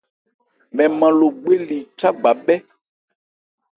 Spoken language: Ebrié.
Mɛn nman Logbe li chágba bhɛ́.